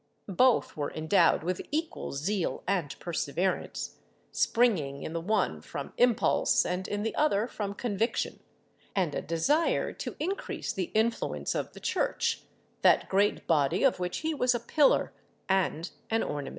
Both were endowed with equal zeal and perseverance, springing in the one from impulse, and in the other from conviction, and a desire to increase the influence of the Church, that great body of which he was a pillar and an ornament.